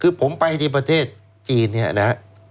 คือผมได้ไปในประเทศจีนเนี่ยนะ